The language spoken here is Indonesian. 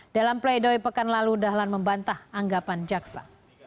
dalam pleidoy pekan lalu dahlan membantah anggapan jaksa